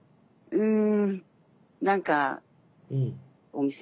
うん。